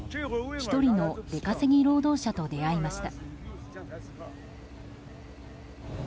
１人の出稼ぎ労働者と出会いました。